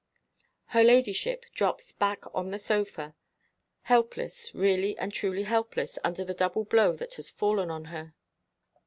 Her ladyship drops back on the sofa; helpless really and truly helpless, under the double blow that has fallen on her.